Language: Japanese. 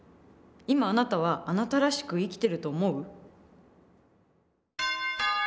今あなたはあなたらしく生きてると思う？